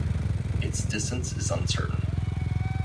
Its distance is uncertain.